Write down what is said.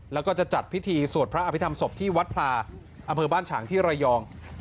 แล้วก็จะจัดพิธีสวดพระอภิษฐรรศพที่วัดพลาอำเภอบ้านฉางที่ระยอง